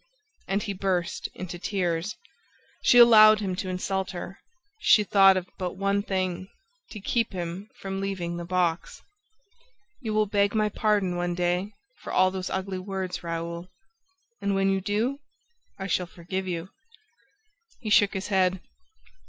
..." And he burst into tears. She allowed him to insult her. She thought of but one thing, to keep him from leaving the box. "You will beg my pardon, one day, for all those ugly words, Raoul, and when you do I shall forgive you!" He shook his head.